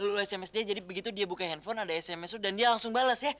lo sms dia jadi begitu dia buka handphone ada sms lo dan dia langsung bales ya